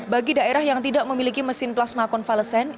bagi daerah yang tidak memiliki mesin plasma konvalesen